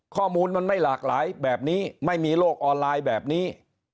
ข้อมูลมันไม่หลากหลายแบบนี้ไม่มีโลกออนไลน์แบบนี้